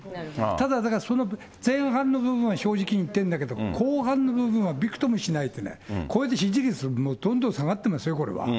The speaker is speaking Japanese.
ただ、だからその前半の部分は正直に言ってんだけど、後半の部分は、びくともしないってね、これで支持率、どんどん下がってますよ、これは。